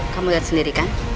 kamu lihat sendiri kan